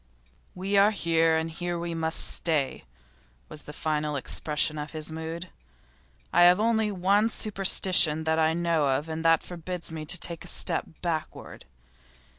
'We are here, and here we must stay,' was the final expression of his mood. 'I have only one superstition that I know of and that forbids me to take a step backward.